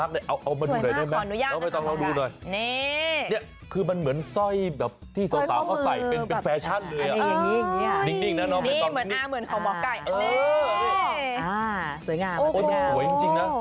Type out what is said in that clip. นี่มันคือมันเหมือนสร้อยแบบที่สาวสาวเขาใส่เป็นแฟชั่นเลยอ่านี้มันเป็นสวยจริงจริงน่ะ